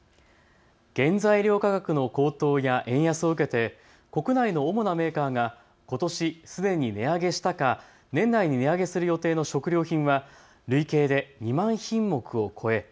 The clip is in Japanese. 原材料価格の高騰や円安を受けて国内の主なメーカーがことしすでに値上げしたか、年内に値上げする予定の食料品は累計で２万品目を超え